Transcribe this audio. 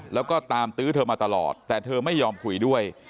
แล้วก็ตามตื้อเธอมาตลอดแต่เธอไม่ยอมคุยด้วย